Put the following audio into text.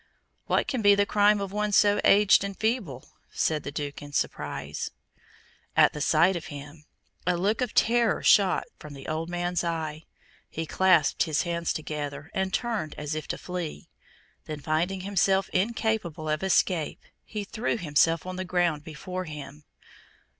"What can be the crime of one so aged and feeble?" said the Duke, in surprise. At the sight of him, a look of terror shot from the old man's eye. He clasped his hands together, and turned as if to flee; then, finding himself incapable of escape, he threw himself on the ground before him.